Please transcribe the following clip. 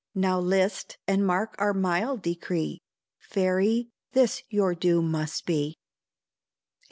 Now list, and mark our mild decree Fairy, this your doom must be: VIII.